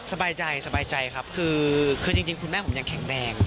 สบายใจสบายใจครับคือจริงคุณแม่ผมยังแข็งแรง